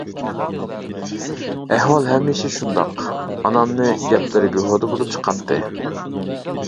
ئەھۋال ھەمىشە شۇنداق، ئانامنى گەپلىرى بىھۇدە بولۇپ چىقاتتى.